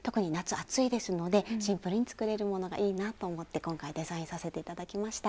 暑いですのでシンプルに作れるものがいいなと思って今回デザインさせて頂きました。